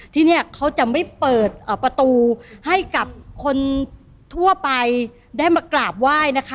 ที่เนี่ยเขาจะไม่เปิดประตูให้กับคนทั่วไปได้มากราบไหว้นะคะ